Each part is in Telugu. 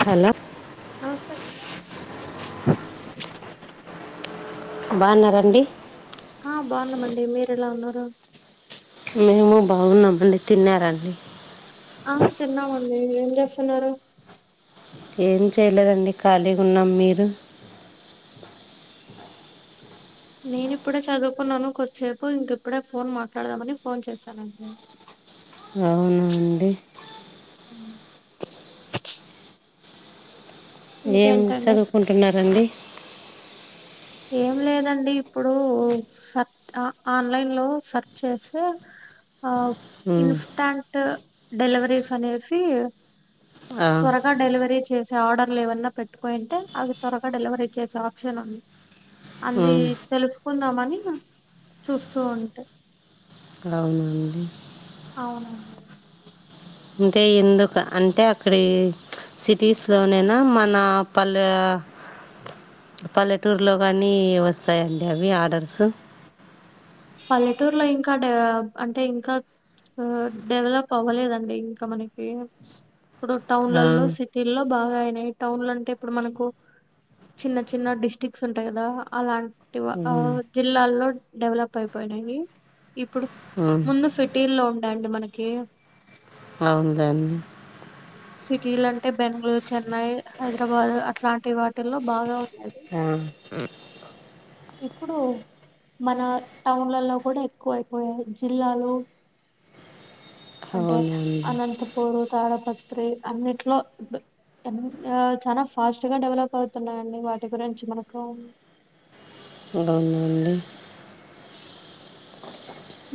హల నమస్తే బాగున్నారా అండి ఆ బాగున్నామండి, మీరెలా ఉన్నారు? మేము బాగున్నామండి. తిన్నారా అండి ఆ తిన్నామండి ఏం చేస్తున్నారు? ఏం చేయలేదండి ఖాళీగుంన్నాం, మీరు? నేనిప్పుడే చదువుకున్నాను కొద్దిసేపు ఇంకిప్పుడే ఫోన్ మాట్లాడదామని ఫోన్ చేశానండి. అవునా అండి అ ఏం చదువుకుంటున్నారండి? ఏం లేదండి ఇప్పుడూ సర్చ్ ఆన్లైన్లో సర్చ్ చేసి ఆ ఉమ్, ఇన్స్టాంట్ డెలివరీస్ అనేసి ఆ, త్వరగా డెలివరీ చేసే ఆర్డర్లు ఏవన్నా పెట్టుకోయింటే అవి త్వరగా డెలివరీ చేసే ఆప్షన్ ఉంది. అంది ఉమ్, తెలుసుకుందామని చూస్తూ ఉంటే అవునా అండి అవునండి. అంటే ఎందుక అంటే అక్కడి సిటీస్లోననా మన పల్లా పల్లెటూర్లో గానీ వస్తాయండి అవి ఆర్డర్సు పల్లెటూర్లో ఇంకా అంటే ఇంకా ఆ డెవలప్ అవ్వలేదండి ఇంకా మనకి ఇప్పుడు ఆ, టౌన్లలో, సిటీల్లో బాగా అయినయి టౌన్లంటే ఇప్పుడు మనకు చిన్న చిన్న డిస్టిక్స్ ఉంటాయి కదా అలాం ఆ ఉమ్, జిల్లాల్లో డెవలప్ అయిపోయినయి. ఇప్పుడు ఉమ్, ముందు సిటీల్లో ఉండేయండి మనకి అవున్ అండి సిటీలంటే బెంగళూర్, చెన్నై, హైదరాబాద్ అట్లాంటి వాటిల్లో బాగా ఉండేది. ఆ ఇప్పుడు మన టౌన్లల్లో కూడా ఎక్కువైపోయాయి జిల్లాలు అంటే అవునండి అనంతపూర్, తాడపత్రి అన్నిట్లో ఇప్పు ఆ చాలా ఫాస్ట్గా డెవలప్ అవుతున్నాయండి వాటి గురించి మనకు అవునండి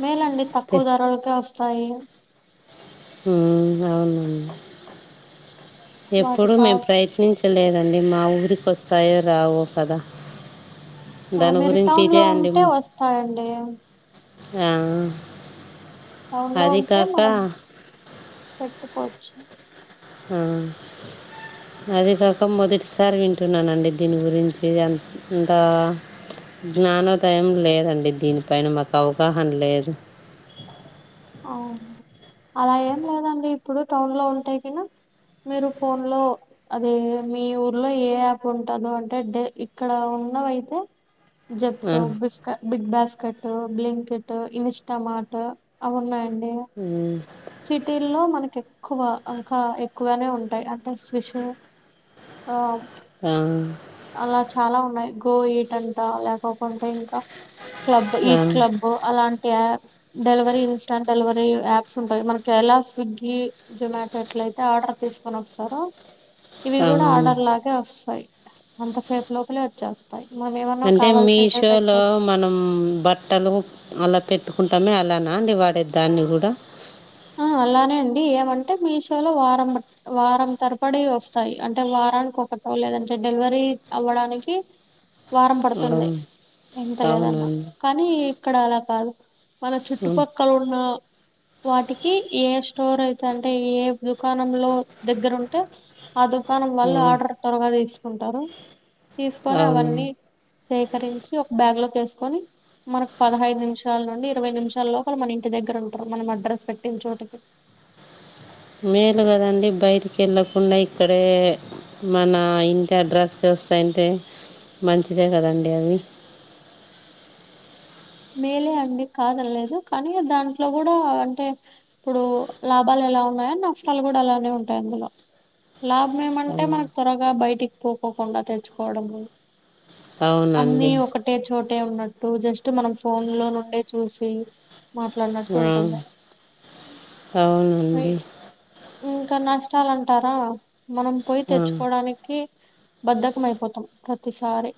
మేలండి తక్కు తె- ధరలకే వస్తాయి. అవునం ఎప్పుడు వాటికా మేం ప్రయత్నించలే దండి మా ఊరికి వస్తాయో రావో కదా ఆ దాని మీరు గురించి టౌన్లో ఇదే అండి ఉంటే వస్తాయండి. ఆ టౌన్లో అది ఉంటే కాక మనం పెట్టుకోవచ్చు. ఆ అది కాక మొదటిసారి వింటున్నానండి దీని గురించి అంత అంతా జ్ఞానోదయం లేదండి దీనిపైన మాక్ అవగాహన లేదు. అవునా అలా ఏం లేదండి ఇప్పుడు టౌన్లో ఉంటే గిన మీరు ఫోన్లో అదే మీ ఊర్లో ఏ యాప్ ఉంటదో అంటే డే ఇక్కడ ఉన్న వైపు ఆ, జప్టో, బిస్క బిగ్ బాస్కెట్, బ్లింకెట్, ఇన్స్టామార్ట్ అవున్నాం ఉమ్ సిటీల్లో మనకెక్కువ ఇంకా ఎక్కువనే ఉంటాయి అంటే స్విష్ ఆ ఆ అలా చాలా ఉన్నాయి. గో ఈట్ అంట లేకకుంటే ఇంకా క్లబ్ ఈ ఆ, క్లబ్ అలాం టి డెలివరీ, ఇన్స్టాంట్ డెలివరీ యాప్స్ ఉంటాయి. మనకి ఎలా స్విగ్గి, జొమాటో ఎట్లా అయితే ఆర్డర్ తీస్కొన్ వస్తారో ఇవి గుడా అవును ఆర్డర్ లాగే వస్తాయి. గంటసేపు లోపలే వచ్చేస్తాయి. మనం ఏమన్నా అంటే కావాల్సిందే మీషోలో పెట్టుకోవచ్చు మనం బట్టలు అలా పెట్టుకుంటామే అలానా అండి వాడేది దాన్ని గుడ అ అలానే అండి ఏమంటే మీ షోలో వారం వారం తరపడి వస్తాయి. అంటే వారానికి ఒక లేదంటే డెలివరీ అవ్వడానికి వారం పడ్తుంది. ఆ. ఎంత లేదన్నా అవునండి కానీ అక్కడ అలా కాదు మన ఉమ్ చుట్టుపక్కలున్న వాటికి ఏ స్టోర్ అయితే అంటే ఏ దుకాణంలో దగ్గరుంటే ఆ దుకాణం వాళ్ళు ఉమ్ ఆర్డర్ త్వరగా తీస్కుంటారు తీస్కొనీ అవును అవన్నీ సేకరించి ఒక బ్యాగ్లోక్ కేస్కొని మనక్ పదహైదు నిమిషాల్ నుండి ఇరవై నిమిషాల లోపల మన ఇంటి దగ్గర ఉంటరు మనం అడ్రస్ పెట్టిన్ చోటకి మేలు కదండి బైటికెళ్ళకుండా ఇక్కడే మన ఇంటి అడ్రెస్కి వస్తాయంటే మంచిదే కదండి అవి మేలే అండి కాదన్లేదు కనీ దాంట్లో గుడా అంటే ఇప్పుడు లాభాల ఎలా ఉన్నాయో నష్టాల్ గుడా అలానే ఉంటాయి అందులో లాభం ఆ, ఏమంటే మనక్ త్వరగా బైటిక్ పోకోకుండా తెచ్చుకోవడం. అన్ని అవునండి. ఒకటే చోటే ఉన్నట్టు జస్ట్ ట్ మనం ఫోన్లో నుండే చూసి మాట్లాడినట్టు ఆ ఉంటుంది అవునండి. ఇ- ఇంకా నష్టాల్ అంటారా మనం పోయి ఆ తెచ్చుకోడానికి బధకం అయిపోతాం ప్రతిసారి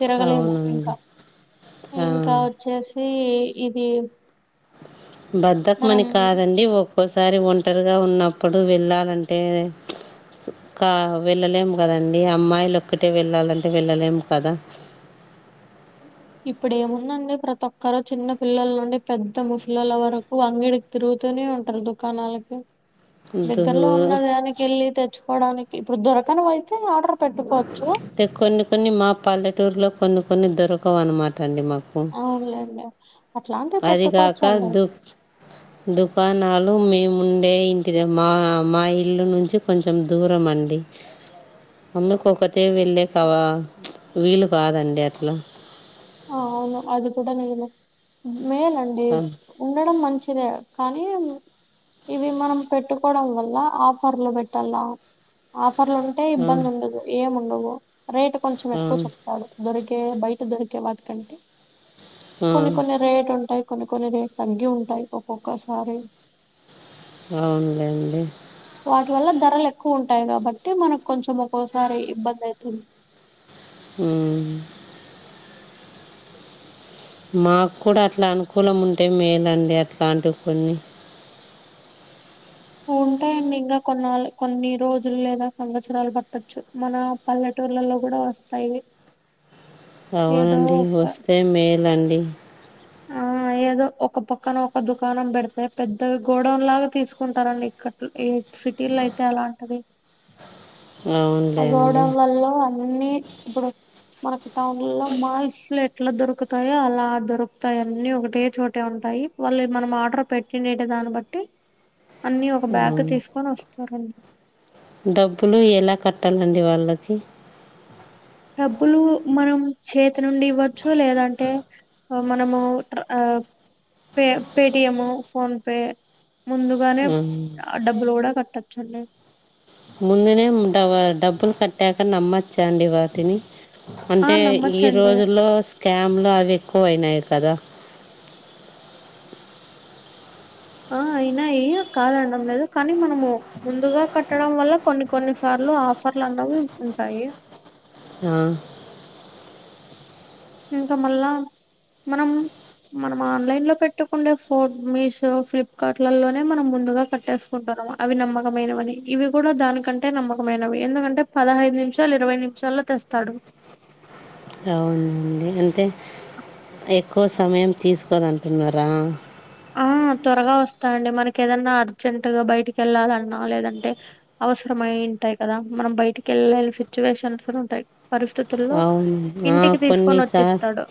తిరగలేము ఇంకా అవునండి ఆ ఇంకా వచ్చేసి ఇది బద్దకమని మనం కాదండి ఒ ఒక్కోసారి ఒంటరిగా ఉన్నప్పుడు వెళ్ళాలంటే కా వెళ్ళలేము కదండి అమ్మాయిలు ఒక్కటే వెళ్ళాలంటే వెళ్ళలేము కదా [inaudible] ఇప్పుడు ఏముందండి ప్రతి ఒక్కరు చిన్న పిల్లల నుండి పెద్ద ముసలల వరకు అంగిడికి తిరు తూనే ఉంటారు దుకాణాలకి దగ్గరలో దూ ఉన్నదానికి వెళ్ళి తెచ్చు కోవడానికి ఇప్పుడు దొరకనవి అయితే ఆర్డర్ పెట్టుకోవచ్చు తే కొన్ని కొన్ని మా పల్లెటూరులో కొన్ని కొన్ని దొరకవు అన్నమాట అండి మాకు అవునులేండి అ అదిగాక దు దుకాణాలు లో మేముండే ఇంటిద మా మా ఇల్లు నుంచి కొంచెం దూరం అండి అందుకు ఒకత్తె వెళ్ళే కవా చ్ వీలు కాదండి అట్లా అవును అది కూడా నిజమే మేలండి ఆ, ఉండడం మంచి చిదే కానీ ఇవి మనం పెట్టుకోవడం వల్ల ఆఫర్లు పెట్టాల ఆఫ్ ఆఫర్లు ఉంటే ఆ, ఇబ్బంది ఉండదు. ఏం ఉండవు రేట్ కొంచెం ఆ, ఎక్కువ చెప్తాడు దొరికి ఏ బయట దొరికే వాటికంటే ఆ, కొన్ని కొన్ని రేట్ ఉంటాయి. కొన్ని కొన్ని రేట్ తగ్గి ఉంటాయి ఒక్కొక్కసారి అవునలెండి వాటి వల్ల ధరలు ఎక్కువ ఉంటాయి కాబట్టి మనకు కొంచెం ఒక్కోసారి ఇబ్బంది అయితుంది. మ్ మాకు కూడా అట్లా అనుకూలం ఉంటే మేలండి అట్లాంటివి కొన్ని ఉంటాయండి ఇంకా కొన్నాళ్ళ కొన్ని రోజులు లేదా సంవత్సరాలు పట్టొచ్చు మన పల్లెటు ఊర్లలో కూడా వస్తాయి. ఏదో అవునండి ఒక వస్తే మేలండి ఆ ఏదో ఒక పక్కన ఒక దుకాణం పెడితే పెద్దవి గోడౌన్ లాగా తీసుకుంటారండి ఇక్కట్లు ఏ సిటీ లో అయితే అలా ఉంటది అ అవునులేండి గుడౌన్ వల్ల అన్ని ఇప్పుడు మనకి టౌన్ లో మాల్స్లు ఎట్లా దొరుకుతాయో అలా దొరుకుతాయ్ అన్ని ఒకటే చోటే ఉంట పైప్ వల్లే మనం ఆర్డర్ పెట్టిండేటి దాన్ని బట్టి అన్నీ ఒక బ్యాగ్ అవును తీసుకొని వస్తారండి డబ్బులు ఎలా కట్టాలండి వాళ్ళకి డబ్బులు మనం చేతి నుండి ఇవ్వచ్చు లేదంటే మనము ట్ర ఆ పే పేటిఎమ్, ఫోన్పే ముందుగానే ఆ డబ్బులు కూడా కట్టచ్చండి. ముందునే డవ డబ్బులు కట్టాక నమ్మచ్చండి వాటిని ఆ అంటే ఈ నమ్మచ్చండి రోజుల్లో స్కామ్ లో అవి కోయినాయి కదా ఆ అయినాయి కాదండం లేదు కానీ మనము ముందుగా కట్టడం వల్ల కొన్ని కొన్నిసార్లు లో ఆఫర్లు అన్నవి ఉంటాయి. ఆ ఇంకా మళ్ళా మనం మనం ఆన్లైన్ లో పెట్టుకుండే ఫోన్ మీషో, ఫ్లిప్కార్ట్లలోనే మనం ముందుగా కట్టేసుకుంటాం. అవి నమ్మకమైనవని ఇవి కూడా దానికంటే నమ్మకమైనవి. ఎందుకంటే పదహైదు నిమిషాలు, ఇరవై నిమిషాలు లో తెస్తాడు అవునండి అంతే ఎక్కువ సమయం తీసుకోదంటున్నరా? ఆ త్వరగా వస్తాయండి మనకేదన్నా అర్జెంట్గ బైటికెళ్ళాలన్నా లేదంటే అవసరమై ఉంటాయి కదా మనం బైటికెల్లాల్ సిచ్యువేషన్స్ గుడ ఉంటయి. అవున్ ఆ కొన్నిసా వచ్చేస్తాడు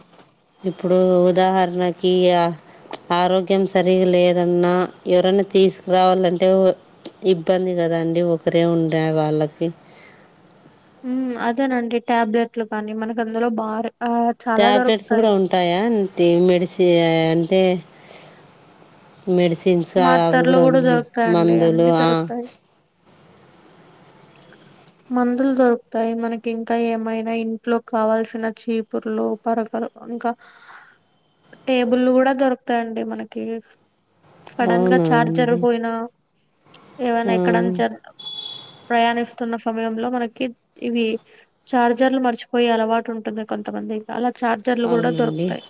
ఇప్పుడు ఉదాహరణకీ అ ఆరోగ్యం సరిగా లేదన్నా ఎవరన్న తీస్కురావాలంటే ఇబ్బంది కదండి ఒకరే ఉండే వాళ్ళకి మ్ అదేనండి టాబ్లెట్లు కానీ మనకు అందులో భార్ టాబ్లెట్స్ కూడా ఉంటాయా అంటే మెడిసి అంటే మెడిసిన్స్ఆ అవి మాత్తర్లు కూడా ఉం దొరుకుతాయండి మందులు అన్ని ఆ దొరుకుతాయి మందుల్ దొరుకుతాయి మనక్ ఇంకా ఏమైనా ఇంట్లో కావల్సిన చీపుర్లు పరగలు ఇంక టేబుల్లు గుడా దొరుకుతయండి మనకి సడన్గ అవునా చార్జర్ అండి పోయినా ఏవనా ఆ ఎక్కడ [unintelligible] ప్రయాణిస్ స్తున్న సమయంలో మనకి ఇవి చార్జర్లు మర్చిపోయే అలవాటుంటుంది కొంతమంది అలా చార్జర్లు గుడా అవునండి దొరుకుతాయి.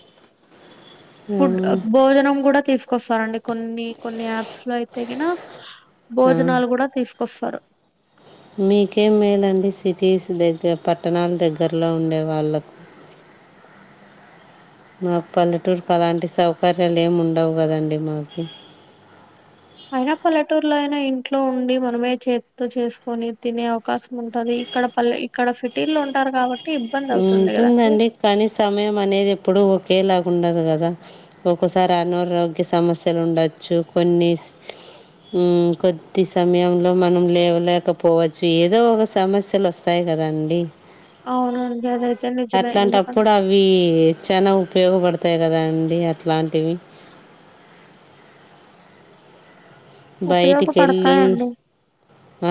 ఆ ఫుడ్ భోజనం కూడా తీసుకొస్తా కొన్ని కొన్ని యాప్స్లో అయితే గిన ఆ భోజనాలు గుడా తీస్కొస్తారు. మీకేం మేలండి సిటీస్ దగ్గర్ పట్టణాల్ దగ్గర్లో ఉండే వాళ్ళకు [inaudible] మాక్ పల్లెటూర్ అలాంటి సౌకర్యాల్ ఏం ఉండవు కదండి మాకు అయిన పల్లెటూర్లో అయినా ఇంట్లో ఉండి మనమే చేత్తో చేస్కొని తినే అవకాశం ఉంటది. ఇక్కడ పల్లే ఇక్కడ సిటీలో ఉంటార్ కాబ ఉంటుందండి కనీ సమయం అనేది ఎప్పుడు ఒకేలా ఉండదు గదా ఒకోసారి అనారోగ్య సమస్యలుండచ్చు కొన్ని మ్ కొద్ది సమయంలో మనం లేవలేకపోవచ్చు ఏదో ఒక సమస్యలొస్తాయి రండి. అవునం అట్లాంటప్పుడు అవీ చానా ఉపయోగపడతాయి కదా అండి అట్లాంటివి బైటికెళ్ళి ఉపయోగపడతాయండి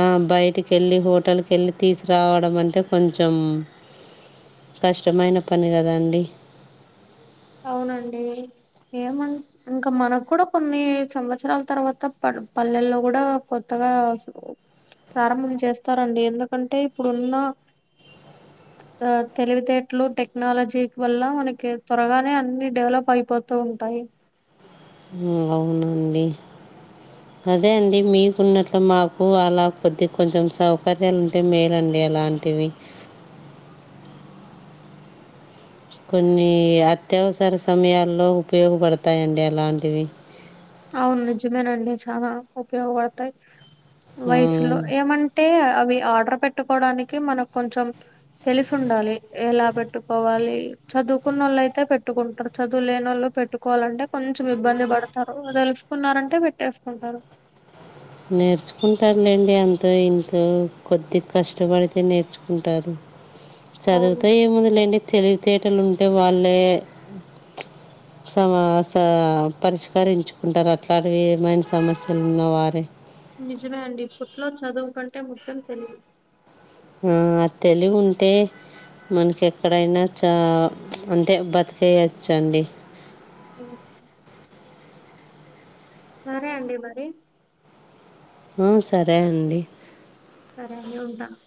ఆ బైటికెళ్లి హో హోటల్కెళ్ళి తీసుకురావడం అంటే కొంచం కష్టమైన పని కదండి. అవునండి. ఏమన్ ఇంకా మనక్ కూడా కొన్ని సంవత్సరాల్ తర్వాత పడు పల్లెల్లో గుడా కొత్త ఆ ప్రారంభం చేస్తారండి ఎందుకంటే ఇప్పుడున్న తెలివితేటలు, టెక్నాలజీ వల్ల మనకి త్వరగా నే అన్ని డెవలప్ అయిపోతూ ఉంటాయి. మ్ అవునండి. అదే అండి మీకున్నంత మాకు అలా కొద్ది కొంచెం సౌకర్యాలుంటే మేలండి. ఎలాంటివి [inaudible] కొన్నీ అత్యవసర సమయాల్లో ఉపయోగపడతాయండి అలాంటివి అవున్ నిజమేనండి చాలా ఉపయోగపడతాయి. ఆ, వయసులో ఏమంటే అవి ఆర్డర్ పెట్టుకోవడానికి మనకు కొంచెం తెలిసి ఉండాలి ఎలా పెట్టుకోవాలి చదువుకున్న వాళ్ళు అయితే పెట్టుకుంటారు చదువులేని వాళ్ళు పెట్టుకోవాలంటే కొంచెం ఇబ్బంది పడతారు. తెలుసుకున్నారంటే పెట్టేసుకుంటారు. నేర్చుకుంటారులేండి అంత ఇంతో కొద్ది కష్టపడితే నేర్చుకుంటారు. [inaudible] చదువుతో అవునండి ఏముందిలేండి తెలివితేటలు ఉంటే వాళ్ళే సమాస పరిష్కరించుకుంటారు అట్లా అ ఏమైన సమస్యలు ఉన్నవారే నిజమే అండి ఇప్పుట్లో చదువు కంటే మొత్తం తెలివి ఆ తెలివి ఉంటే మనకి ఎక్కడైనా చా అంటే చ్ బతికేయచ్చండి ఓ సరే అండి మరి ఆ సరే అండి సరే య్యు ఉంటాను